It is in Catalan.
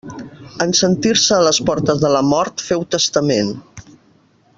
En sentir-se a les portes de la mort féu testament.